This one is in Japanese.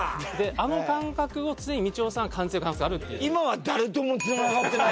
あの感覚を常にみちおさんは感じてる可能性があるっていう。